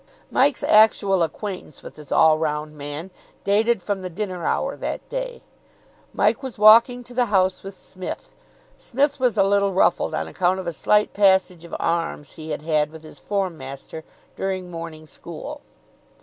Mike's actual acquaintance with this all round man dated from the dinner hour that day. Mike was walking to the house with Psmith. Psmith was a little ruffled on account of a slight passage of arms he had had with his form master during morning school.